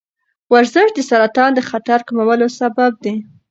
ورزش د سرطان د خطر کمولو سبب دی.